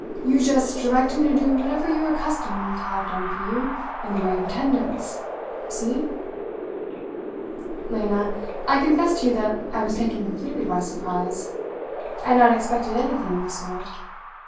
You just direct him to do whatever you are accustomed to have done for you in the way of attendance. See?' "Lena, I confess to you that I was taken completely by surprise. I had not expected anything of the sort.